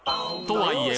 とは言え